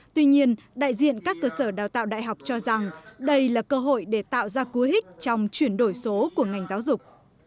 tuy nhiên đại diện các cơ sở đào tạo đại học cho rằng đây là cơ hội để tạo ra cú hích trong chuyển đổi số của ngành giáo dục